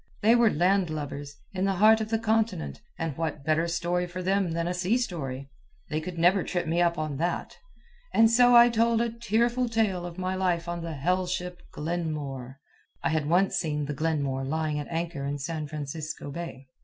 They were landlubbers, in the heart of the continent, and what better story for them than a sea story? They could never trip me up on that. And so I told a tearful tale of my life on the hell ship Glenmore. (I had once seen the Glenmore lying at anchor in San Francisco Bay.)